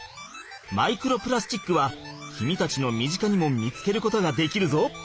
マイクロプラスチックは君たちの身近にも見つけることができるぞ。